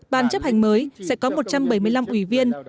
ban chấp hành mới sẽ có một trăm bảy mươi năm ủy viên